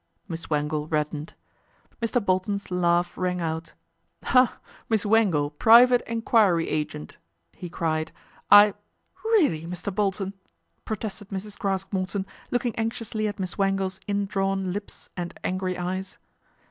Miss Wangle reddened. Mr. Bolton's laugh rang out. " Miss Wangle, Private Enquiry Agent/' he cried, " I "" Really, Mr. Bolt on !" protested Mrs. Craske Morton, looking anxiously at Miss Wangle's in drawn lips and angry eyes.